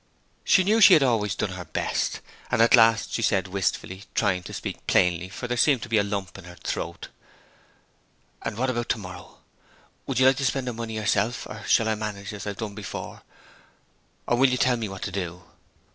She knew she had always done her best. At last she said, wistfully, trying to speak plainly for there seemed to be a lump in her throat: 'And what about tomorrow? Would you like to spend the money yourself, or shall I manage as I've done before, or will you tell me what to do?'